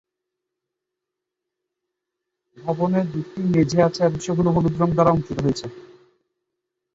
ভবনে দুটি মেঝে আছে এবং সেগুলো হলুদ রঙ দ্বারা অঙ্কিত হয়েছে।